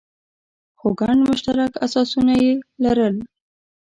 خو ګڼ مشترک اساسونه یې لرل.